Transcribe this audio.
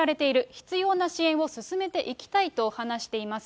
必要な支援を進めていきたいと話しています。